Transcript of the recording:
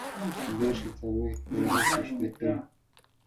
ديرشو، څلويښتو، پنځوسو، شپيتو